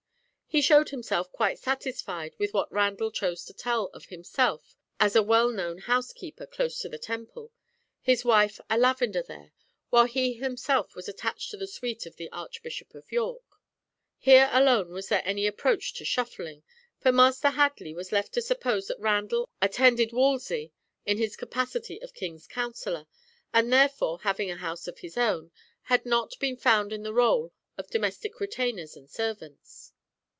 He showed himself quite satisfied with what Randall chose to tell of himself as a well known "housekeeper" close to the Temple, his wife a "lavender" there, while he himself was attached to the suite of the Archbishop of York. Here alone was there any approach to shuffling, for Master Headley was left to suppose that Randall attended Wolsey in his capacity of king's counsellor, and therefore, having a house of his own, had not been found in the roll of the domestic retainers and servants.